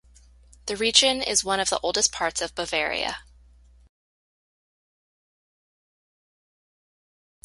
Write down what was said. The region is one of the oldest parts of Bavaria.